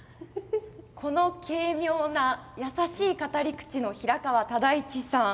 この軽妙な優しい語り口の平川唯一さん